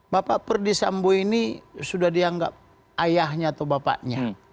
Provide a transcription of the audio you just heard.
bapak perdisambo ini sudah dianggap ayahnya atau bapaknya